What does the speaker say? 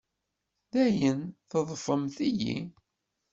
Dayen, teḍḍfemt-iyi.